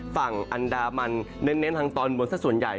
ฝั่งอันดามันเน้นทางตอนบนสักส่วนใหญ่